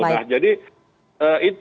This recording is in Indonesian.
nah jadi itu